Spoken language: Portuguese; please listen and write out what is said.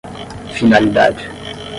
finalidade